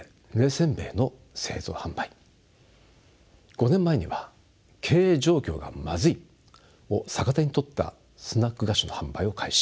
５年前には「経営状況がまずい」を逆手にとったスナック菓子の販売を開始